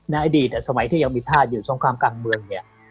อดีตสมัยที่ยังมีธาตุอยู่สงครามกลางเมืองเนี่ย